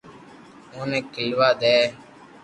اوني کھيلوا دي